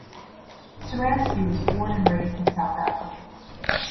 Suransky was born and raised in South Africa.